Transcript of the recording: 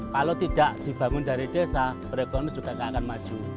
kalau tidak dibangun dari desa perekonomian juga tidak akan maju